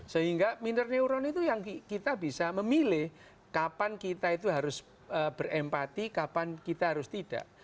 sehingga minner neuron itu yang kita bisa memilih kapan kita itu harus berempati kapan kita harus tidak